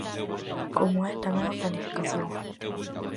Como o é tamén a planificación.